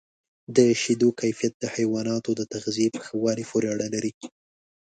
د شیدو کیفیت د حیواناتو د تغذیې په ښه والي پورې اړه لري.